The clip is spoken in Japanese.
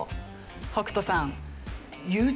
北斗さん。